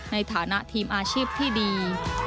ในฐานะทีมอาชีพที่ดี